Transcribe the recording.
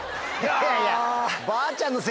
いやいや。